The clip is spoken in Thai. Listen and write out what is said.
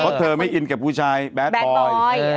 เพราะเธอไม่อินกับผู้ชายแบดบอย